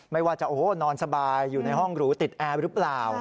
ไม่ว่าจะโอ้โหนอนสบายอยู่ในห้องหรูติดแอร์หรือเปล่า